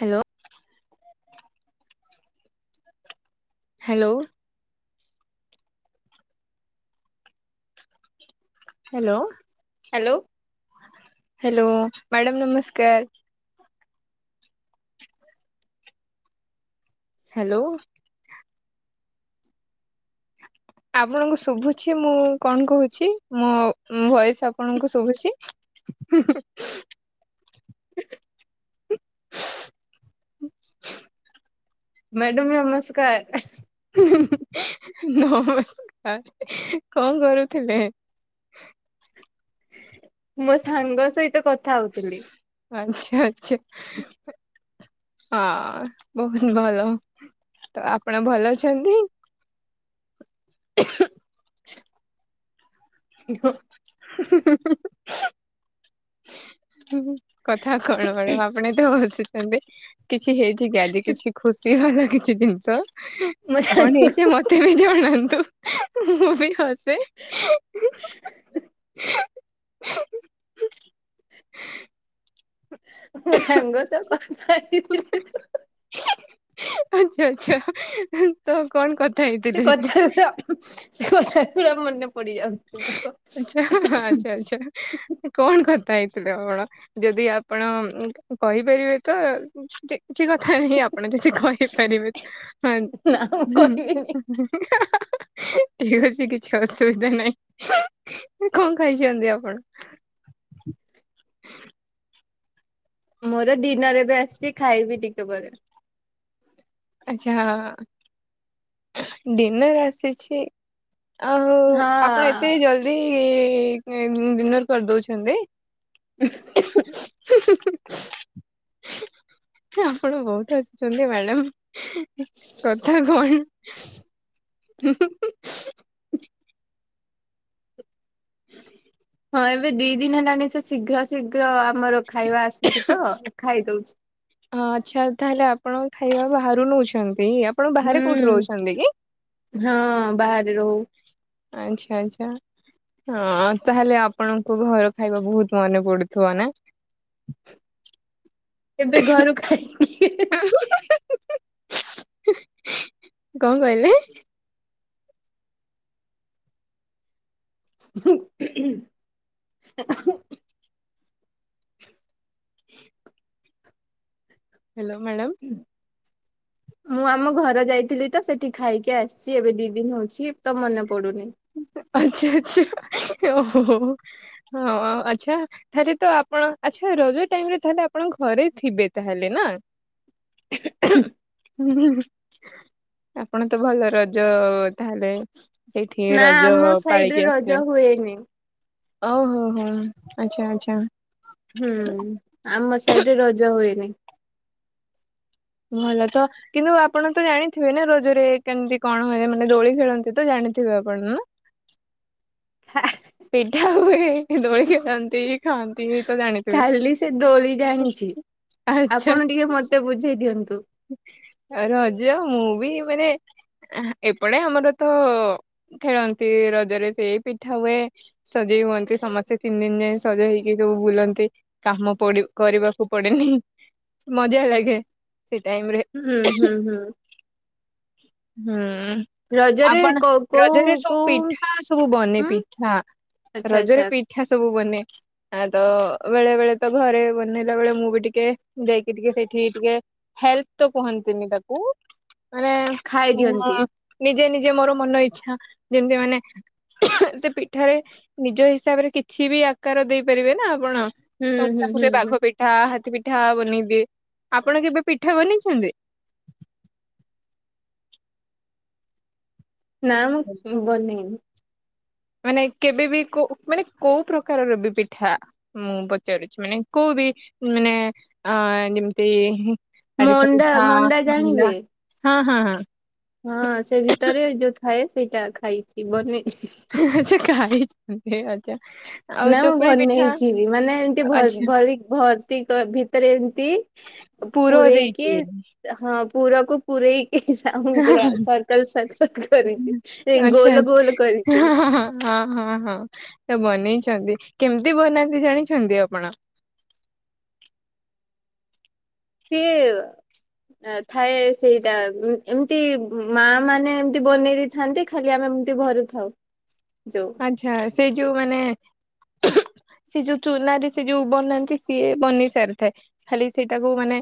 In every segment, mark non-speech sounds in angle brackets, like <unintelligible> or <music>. Hello hello. Hello. Hello hello madam ନମସ୍କାର। Hello. ଆପଣଙ୍କୁ ଶୁଭୁଛି ମୁଁ କଣ କହୁଛି ମୋ ଭଏସ ଆପଣଙ୍କୁ ଶୁଭୁଛି। <unintelligible> ମ୍ୟାଡ଼ମ ନମସ୍କାର। ନମସ୍କାର କଣ କରୁଥିଲେ? ମୋ ସାଙ୍ଗ ସହିତ କଥା ହଉଥିଲି। ହେ ଅଛି। <inaudible> ହଁ ବହୁତ ଭଲ ତ ଆପଣ ଭଲ ଅଛନ୍ତି। ହଁ। ହୁଁ। କଥା କଣ ମ୍ୟାଡ଼ାମ ଆପଣ ଏତେ ହସୁ ଚନ୍ତି। କିଛି ହେଇଚି କି ଆଜି କିଛି ଖୁସି ହେଲା କିଛି ଜିନି ଛ ମୋ କଣ ସାଙ୍ଗ ହେଇଚି ମତେ ବି ଜଣାନ୍ତୁ? ମୁଁ ବି ଖସି ସେ <unintelligible> <inaudible> ମୁଁ ସାଙ୍ଗ ସହ କଥା ହେଇଥିଲି। ଆଛା ଆଚ୍ଛା। ତ କଣ କଥା ସେ ହେଇଥିଲେ? କଥା ଗୁରା <unintelligible> ମୋର। ଆଛା ଆଛା ଆଚ୍ଛା। ତ କଣ କଥା ହେଇଥିଲ, ଯଦି ଆପଣ ଯଦି ଆପଣ କହିପାରିବେ ତ କିଛି କଥା ନାହିଁ, ଆପଣ ଯଦି କହିପାରିବେ ତ, ନା ମୁଁ ହୁଁ କହିବିନି ହୁଁ। ଠିକ ଅଛି କିଛି ଅସୁବିଧା ନାହିଁ। କଣ ଖାଇଚନ୍ତି ଆପଣ? ମୋର ଡିିନର ଏବେ ଆସିଚି ଖାଇବି ଟିକେ ପରେ। ଆଛା ଡିନର୍ ଆସିଛି। ଆଉ ହଁ। ଆପଣ ଏତେ ଜଲଦି ଡିିନର କରିଦଉଚନ୍ତି। <inaudible> ଆପଣ ବହୁତ ହସୁଚନ୍ତି ମ୍ୟାଡାମ। କଥା କଣ? <inaudible> ହଁ ଏବେ ଦି ଦିନ ହେଲାଣିି ସେ ଶୀଘ୍ର ଶୀଘ୍ର ମୋର ଖାଇବା ଆସୁଚି ତ ଖାଇ ଦଉଚି। ଆଚ୍ଛା ତାହେଲେ ଆପଣ ଖାଇବା ବାହାରୁ ନଉଛନ୍ତି। ସେଇ ଆପଣ ବାହାରେ କୋଉଠି ହୁଁ ରହୁଚନ୍ତି କି? ହଁ ବାହାରେ ରହୁ ଆଚ୍ଛା ଆଚ୍ଛା ହ ତାହେଲେ ଆପଣଙ୍କୁ ଘର ଖାଇବା ବହୁତ ମନେ ପଡୁଥିବ ନା? ଏବେ ଘରୁ ଖାଇକି କଣ କହିଲେ? <inaudible> <inaudible> Hello madam. ମୁଁ ଆମ ଘର ଯାଇଥିଲି ତ ସେଠି ଖାଇକି ଆସିଛି ଏବେ ଦି ଦିନ ହଉଛି ତ ମନେ ପଡ ପଡ଼ୁନି। ଆଚ୍ଛା ଆଚ୍ଛା ଓ ହୋ ଆଚ୍ଛା ତାହଲେ ତ ଆପଣ ଆଚ୍ଛା ରଜ ଟାଇମରେ ତାହଲେ ଆପଣ ଘରେ ଥିବେ ତାହେଲେ ନା ଆପଣ ତ ଭଲ ରଜ ତାହଲେ ନା ଆମ ସାଇଡରେ ରଜ ହୁଏନି। ଓହୋ ହୋ ଆଚ୍ଛା ଆଚ୍ଛା। ହୁଁ ଆମ ସାଇଡରେ ରଜ ହୁଏନି। ଭଲ ତ କିନ୍ତୁ ଆପଣ ତ ଜାଣିଥିବେ ନା ରଜରେ କେମତି କଣ ହୁଏ ମାନେ ଦୋଳି ଖେଳନ୍ତି ତ ଜାଣିଥିବେ ଆପଣ ନା। ପିଠା ହୁଏ ଦୋଳି ଖେଳନ୍ତି ଖାଆନ୍ତି ତ ଜାଣିଥିବେ ଖାଲି ସେ ଦୋଳି ଜାଣିଛି ଆଛା। ଆପଣ ଟିକେ ମତେ ବୁଝେଇ ଦିଅନ୍ତୁ। ରଜ ମୁଁ ବି ମାନେ ଏପଟେ ଆମର ତ ଖେଳନ୍ତି ରଜରେ ସେଇ ପିଠା ହୁଏ ସଜେଇ ହୁଅନ୍ତି ସମସ୍ତେ ତିନି ଦିନ ଯାକ ସଜେଇ ହେଇକି ସବୁ ବୁଲନ୍ତି କାମ ପଡି କରିବାକୁ ପଡେନି ମଜା ଲାଗେ। ସେ ଟାଇମ ରେ। ହୁଁ ହୁଁ ହୁଁ। ହୁଁ। ଉଁ ରଜରେ ଆପଣ କୋଉ ରଜରେ କୋଉ ସବୁ କୋଉ ପିଠା ସବୁ ବନେ ଉଁ ପିଠା ଆଚ୍ଛା ରଜରେ ଆଚ୍ଛା ପିଠା ସବୁ ବନେ ତ ବେଳେ ବେଳେ ତ ଘରେ ବନେଇଲା ବେଳେ ମୁଁ ବି ଟିକେ ଯାଇକି ଟିକେ ସେଇଠି ଟିକେ ହେଲ୍ପ ତ କୁହନ୍ତିନି ତାକୁ ମାନେ ଖାଇ ଦିଅନ୍ତି ନିଜେ ନି ଯେ ମୋର ମନ ଇଚ୍ଛା ଯେମିତି ମାନେ ସେ ପିଠାରେ ନିଜ ହିସାବରେ କିଛି ବି ଆକାର ଦେଇପାରିବେ ନା ଆପଣ। ହୁଁ ଏବଂ ହୁଁ ତାକୁ ହୁଁ ସେ ହୁଁ ବାଘ ପିଠା ହାତୀ ପିଠା। ପଠା ବନେଇଦିଏ ଆପଣ କେବେ ପିଠା ବନେଇଛନ୍ତି? ନା ବନେଇନି। ମାନେ କେବେବି କ ମାନେ କୋଉ ପ୍ରକାର ରବି ପିଠା ମୁଁ ପଚାରୁଛି ମାନେ କୋଉ ବି ମାନେ ଅ ଯେମିତି ଆରିସା ମଣ୍ଡା ପିଠା ମଣ୍ଡା ହେଲା। ଜାଣିବେ ହଁ ହଁ। ହଁ ସେ ଭିତରେ ଯୋଉ ଥାଏ ସେଇଟା। ଖାଇଛି ବନଛି। ଆଚ୍ଛା <inaudible> ଆଉ ନା ମୁଁ ଚକୁଳି ପିଠା ବନେଇ ଯିବି ମାନେ ଏମତି ଭ ଆଚ୍ଛା ଭର୍ତ୍ତି କରି ଦିଏ <inaudible> ପୁର ପରେଇକି ଦେଇକି ହଁ। ପୁରକୁ ପୁରେଇ। ମଙ୍କ ସର୍କଲ ସର୍କଲ କରିଛି ଏ ଆଚ୍ଛା ଗୋଲ ଆଚ୍ଛା ଗୋଲ କରିଛି। ହଁ ହଁ ହଁ ତ ବନେଇଛନ୍ତି କେମିତି ବନାନ୍ତି ଜାଣିଛନ୍ତି ଆପଣ? ସିଏ ଥାଏ ସେଇଟା ଏମିତି ମା ମାନେ ଏମତି ବନେଇ ଦେଇଥାନ୍ତି ଖାଲି ଆମେ ଏମିତି ଭରୁଥାଉ। ଆଛା ସେ ଯୋଉ ମାନେ ସେ ଯୋଉ ଚୁନ ାରେ ସେ ଯୋଉ ବନନାହାନ୍ତି ସିଏ ବନି ସାରିଥାଏ ଖାଲି ସେଇଟାକୁ ମାନେ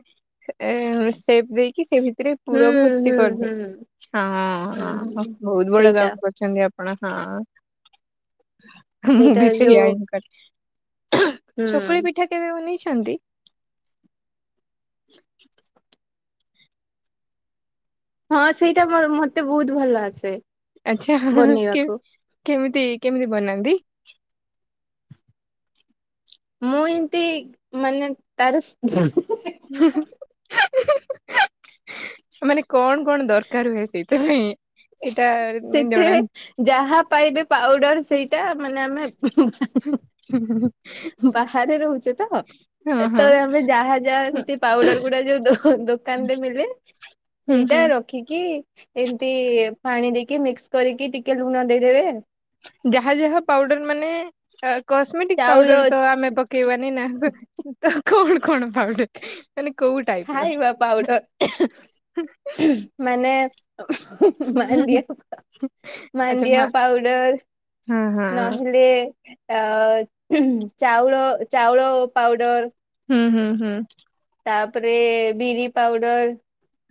ଏ ସେପ ଦେଇକି ସେ ଭିତ ଥିରେ ହୁଁ ପୁର ଭର୍ତ୍ତି ହୁଁ ହୁଁ କରିଲେ ହଁ ହଁ ହୁଁ। ବହୁତ ବଡ ସେଇଟା କାମ କର ଅଛନ୍ତି। ଆଣ। ମୁଁ ସେଇଟା ବି ସେଇଆ ଯୋଉ କରି ହୁଁ ଚକୁଳି ପିଠା କେବେ ବନେଇଚ? ଦିଅନ୍ତି। ହଁ ସେଇଟା ମତେ ବହୁତ ଭଲ ଆସେ। ଆଛା ବନେଇବାକୁ। କେମିତି? କେମିତି ବନାନ୍ତି? ମୁଁ ଏମିତି ମାନେ ତାର ହେଁ। <inaudible> କଣ କଣ ଦରକାର ହୁଏ? ହୁଁ। ସେଥିରେ ଯାହା ପାଇବେ ପାଉଡର ସେଇଟା ମାନେ ଆମେ ବାହାରେ ରହୁ ହଁ ହଁ ସେତେବେଳେ ଆମେ ଯାହା ଯାହା ହୁଁ ଏମତି ପାଉଡର ଗୁଡା ଯୋଉ ଦୋଉ। <unintelligible> ଦୋକାନରେ ମିଲେ ହୁଁ ସେଇଟା ହୁଁ ରଖିକି ଏମତି ପାଣି ଦେଇକି ମିକ୍ସ କରିକି ଟିକେ ଲୁଣ ଦେଇଦେବେ। ଯାହା ଯାହା ପାଉଡର ମାନେ କସ୍ମେଟିକ ଚାଉଳ ପାଉଡର ତ ଆମେ ପକେଇବାନି ନା ତ କଣ? କଣ ପାଉଡର କୋଉ ଟାଇପ ର? ଖାଇବା ପାଉଡର ମାନେ ମାଣ୍ଡିଆ ଆଚ୍ଛା ମାଣ୍ଡିଆ ମା ପାଉଡର ହଁ ହଁ ନହେଲେ ଅ ଚାଉଳ ଚାଉଳ ପାଉଡର। ହୁଁ ହୁଁ ହୁଁ। ତାପରେ ବିରି ପାଉଡର।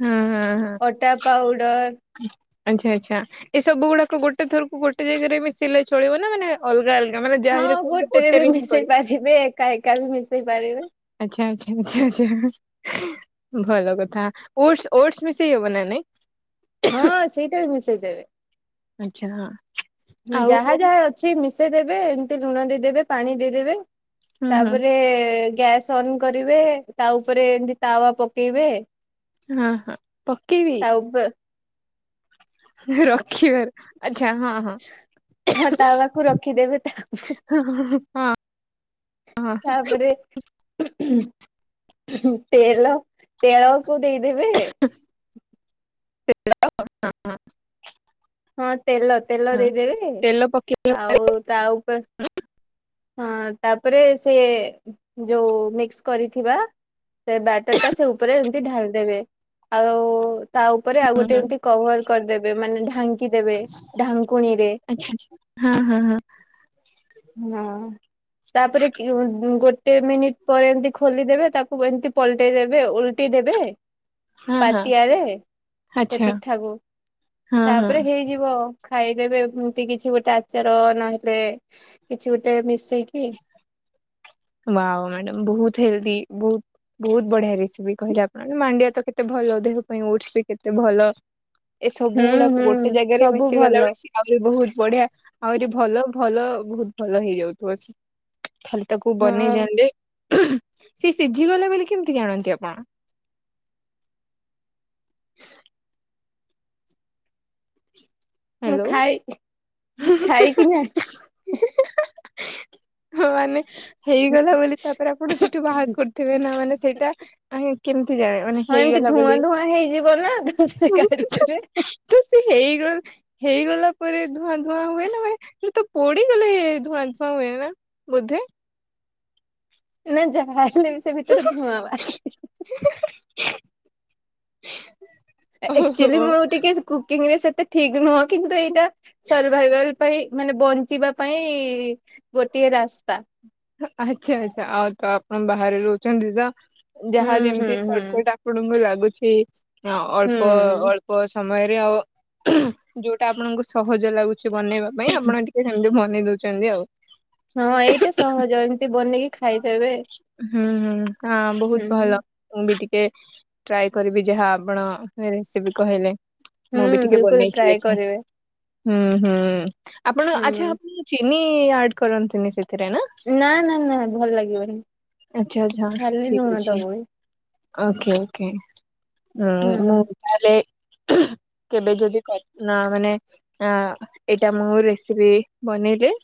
ହଁ ହଁ ହଁ ଅଟା ପାଉଡର। ଆଚ୍ଛା ଆଚ୍ଛା ଏ ସବୁ ଗୁଡାକ ଗୋଟେଥରକୁ ଗୋଟେ ଜାଗାରେ ବି ମି ସିଲେଇ ଚଳିବ ନା ମାନେ ଅଲଗା ଅଲଗା ମାନେ ହଁ ଯାହିରେ କରିଲେ ଗୋଟେରେ ବି ହିଁ କରିବ ମିଶେଇ ପାରିବେ ଏକା ଏକା ବି ମିଶେଇ ହେପାରିବେ। ଆଛା ଆଛା ଆଛା ଆଛ ଭଲ କଥା, ଓଟସ ଓତସ ମିଶେଇ ହବ ନା ନାଇଁ? ହଁ ସେଇଟା ବି ଆଚ୍ଛା ହଁ ମିଶେଇଦବେ ଆଉ ଯାହା ହୁଁ ଯାହା ଅଛି ମିଶ ଦେବେ ଏମିତି ଲୁଣ ଦେଇଦେବେ ପାଣି ଦେଇଦେବେ। ହୁଁ ତାପରେ। ଗ୍ୟାସ୍ ଅନ୍ କରିବେ ତା ଉପରେ ଏମିତି ତାୱା ପକେଇବେ। ହଁ ହ ପକି ବି। ତା ଉପ ରଖିବା। ହଁ ତା ପାଖକୁ ରଖିଦେବେ ତାପରେ ତାପରେ। ତେଲ ତେଲ। ତାକୁ ଦେଇଦେବେ। <unintelligible> ହଁ ତେଲ ତେଲ ହଁ ଦେଇଦେବେ ତେଲ ପକେଇ ଆଉ ତା ଉପରେ ହଁ ତାପରେ ସେ ଯେଉଁ ମିକ୍ସ କରିଥିବା ସେ ବ୍ୟାଟରଟା ସେ ଉପରେ ଏମିତି ଢାଳି ଦେବେ ଆଉ ତା ଉପରେ ଆଉ ହୁଁ ଗୋଟେ ହୁଁ ଏମିତି କଭର କରିଦେବେ ମାନେ ଥ୍ୟାଙ୍କ। ଦେବେ ଢାଙ୍କୁଣୀରେ ଆଚ୍ଛା ଆଚ୍ଛା ହଁ ହଁ ହଁ ହଁ ତାପରେ ଗୋଟେ ଗୋ ମିନିଟ ପରେ ଏମିତି ଖୋଲିଦେବେ ତାକୁ ଏମିତି ପଲଟେଇ ଦେବେ ଓଲଟିେଇ ଦେବେ। ହଁ ହଁ ପାତିଆ ରେ ସେ ଆଚ୍ଛା ପିଠାକୁ ହଁ ତା ହଁ ଉପରେ ହେଇଯିବଉ। ଖାଇଦେବେ ଏମିତି କିଛି ଗୋଟେ ଆଚାର ନହେଲେ କିଛି ଗୋଟେ ମିଶେଇକି। ହ ମ୍ୟାଡ ବହୁତ ହେଲଦି ବହୁ ବହୁତ ବଢିଆ ରେସିପି କହିଲେ ଆପଣ ମାଣ୍ଡିଆ ତ କେତେ ଭଲ ଦେହ ପାଇଁ ଓଡସ ବି କେତେ ଭଲ। ଏ ସବୁ ହୁଁ ଗୁଡାକୁ ହୁଁ ଗୋଟେ ଜାଗରେ ସବୁ ମିଶି ଗଲା ଭଲ ବଳେ ସ ଆହୁରି ବହୁତ। ବଢିଆ ଆଉରିରି ଭଲ ଭଲ ବହୁତ ଭଲ ହେଇଯାଉଥିବ ସେ ଖାଲି। କୁ ହଁ ବନେଇ ଦି ସେି ସିଝିଗଲା ବୋଲି କେମିତି ଜାଣନ୍ତି ଆପଣ। ମୁଁ ହ୍ୟାଲୋ ଖାଇ ଖାଇକି ନା। ହଁ ମାନେ ହେଇଗଲା ବୋଲି ତାପରେ ଆପଣ ସେଇଠୁ ବାହାର କରୁଥିବେ ନା ମାନେ ସେଇଟା ଆ କେମିତି ଜାଣେ ମାନେ ହଁ ଏମିତି ହେଇଗଲା ଧୂଆଁ ବୋଲି ଧୂଆଁ ହେଇଯିବ ନା ତ ସେ କାଢିଦେବେ। ତ ସେ ହେଇଗଲା। ହେଇଗଲା ପରେ ଧୂଆଁ ଧୂଆଁ ହୁଏ ନ ହୁଏ ତ। ପୋଡିଗଲେ ଧୂଆଁ ଧୂଆ ହୁଏ ନା। ବୋଧେ। ଜ। ଆଲେ ବିଷ ଭିତ୍ର ମୁଁ ଆ <inaudible> ଆକ୍ଚୁଆଲି ଓହୋ ମୁଁ ଟିକେ କୁକିଂରେ ସେତେ। ଠିକ୍ ନୁହଁ କିନ୍ତୁ ଏଇଟା ସର୍ଭାଇଭଲ ପାଇଁ ମାନେ ବ ଯିବା ପାଇଁ ଗୋଟିଏ ରାସ୍ତା। ଆଚ୍ଛା ଆଚ୍ଛା ଆଉ ତପଣ ବାହାରେ ରହୁ ଚଛନ୍ତି ତ। ହୁଁ ଯାହା ହୁଁ ଯେମିତି ହୁଁ ସଟକଟ ଆପଣଙ୍କୁ ଲାଗୁଛି। ହଁ ଅଳ୍ପ ହୁଁ ଅଳ୍ପ ସମୟରେ ଯୋଉଟା ଆପଣଙ୍କୁ ସହଜ ଲାଗୁଛି। ବନେଇବା ପାଇଁ ଆପଣ ଟିକେ ଦେଇ ଦଉଛନ୍ତି ଆଉ। ହଁ ଏଇଟା ସହଜ ଏମିତି ବନେଇକି ଖାଇଦେବେ। ହୁଁ ହୁଁ ହଁ ବହୁତ ହୁଁ ଭଲ, ମୁ ବି ଟିକେ ଟେ ଟ୍ରାଏ କରିବି ଯାହା ଆପଣ ରେସିପି କହିଲେ। ହୁଁ ମୁଁ ବି ଟିକେ ବିଲକୁଲ ବନେଇକି ଟ୍ରାଏ ଦେଖେ। କରିବେ। ହୁଁ ହୁଁ। ଆପଣ ଆଚ୍ଛା ହୁଁ। ଚି ନି, ଆଡ କରନ୍ତିନି ସେଥୀ ନା ନା ନା ଭଲ ଲାଗେ ନି, ଆଚ୍ଛା ଆଚ୍ଛା ଖାଲି ଠିକ ଲୁଣ ଅଛି ଦବୁ ଭା ଓକେ ଓକେ। ହୁଁ ମୁଁ ତାହେଲେ କେବେ ଯଦି କ ନା ମାନେ ଆ ଏଇଟା ମୁଁ ରେସିପି ବନେଇବେ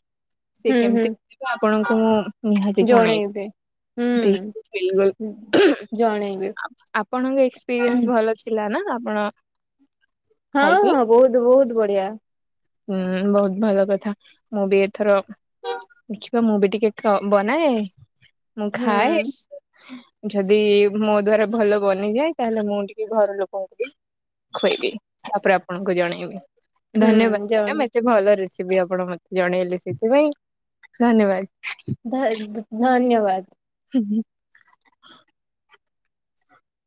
ସେ ହୁଁ ହୁଁ କେମତି କଣ ଆଙ୍କୁ ମୁଁ ନିହାତି ଜଣେଇ ବି, ଜଣେଇବି ହୁଁ। ଦିପ୍ ପିଲୁ ବେଳୁ ହୁଁ ହଁ ହୁଁ ଜଣେଇବି ଆ ଆପଣଙ୍କ ଏକ୍ସପେରିଏନ୍ସ ଭଲ ଥିଲା ନା ବଣ ହଁ ହଁ ବହୁତ ବହୁତ ବଢିଆ। ହୁଁ ବହୁତ ଭଲ କଥା ମୁଁ ବି ଏଥର ଦେଖିବା ମୁଁ ବି ଟିକେ ଖ ବନାଏ। ମୁଁ ହୁଁ ଖାଏ ଯଦି ମୋ ଦ୍ଵାରା ଭଲ ବନିଯାଏ। ତାହେଲେ ମୁଁ ଟିକେ ଘର ଲୋକଙ୍କୁ ବି ଖୁଏଇବି, ତାପରେ ଆପଣଙ୍କୁ ଜଣେଇବି। ଧନ୍ୟବାଦ। ନ ହୁଁ ନା ଜଣେ ମତେ ଭଲ ରୋଷେ ବି ଆପଣ ମତେ ଜଣେଇଲେ ସେଥିପାଇଁ ଧନ୍ୟବାଦ। ଧ ଧ ଧନ୍ୟବାଦ। ବଦ ହୁଁ।